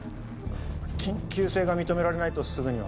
緊急性が認められないとすぐには。